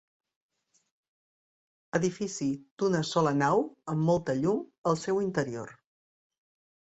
Edifici d'una sola nau amb molta llum al seu interior.